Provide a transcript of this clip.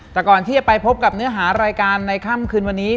แต่ก่อนที่จะไปพบกับเนื้อหารายการในค่ำคืนวันนี้